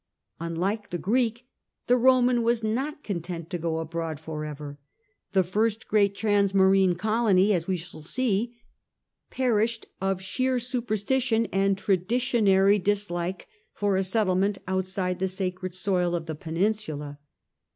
Unlike the Greek, the Roman was not content to go abroad for ever ; the first great transmarine colony (as we shall see) perished of sheer superstition, and traditionary dislike for a settle ment outside th© sacred soil of the Peninsula.